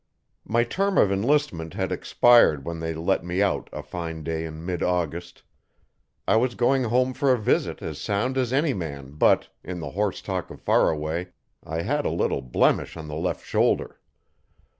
My term of enlistment had expired when they let me out a fine day in mid August. I was going home for a visit as sound as any man but, in the horse talk of Faraway, I had a little 'blemish'on the left shoulder.